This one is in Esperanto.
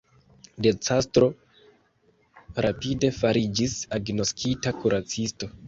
De Castro rapide fariĝis agnoskita kuracisto.